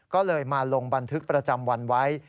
ก็เลยมาลงบันทึกประจำวันไว้